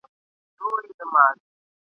تش په نوم که د نیکونو ژوندي پایو ..